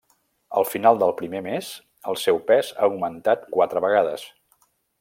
Al final del primer mes, el seu pes ha augmentat quatre vegades.